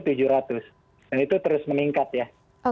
dan itu terus meningkat ya